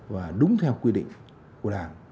và đúng theo quy định của đảng